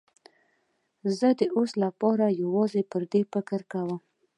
زه د اوس لپاره یوازې پر دې فکر کوم.